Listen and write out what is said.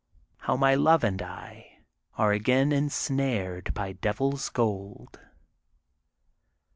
HOW MX LOVE AND I ▲BE AGAIN ENSNARED BY DEVIL'S GOLD.